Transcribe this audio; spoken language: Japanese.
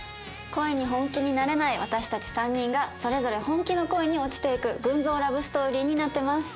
恋に本気になれない私たち３人がそれぞれ本気の恋に落ちていく群像ラブストーリーになってます。